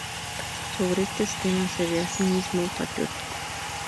Sobre este esquema, se ve así mismo como patriótico.